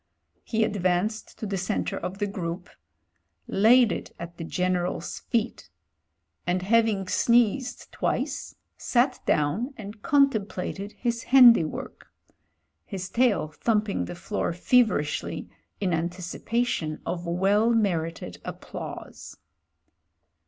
He advanced to the centre of the group — ^laid it at the General's feet — and hav ing sneezed twice sat down and contemplated his handi work : his tail thumping the floor feverishly in antici pation of well merited applause.